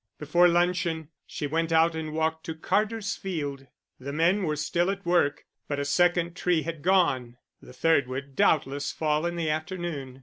Before luncheon she went out and walked to Carter's field. The men were still at work, but a second tree had gone, the third would doubtless fall in the afternoon.